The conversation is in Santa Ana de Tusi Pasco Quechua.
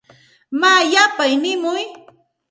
Maa yapay nimuy.